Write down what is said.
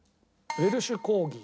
ウェルシュ・コーギー。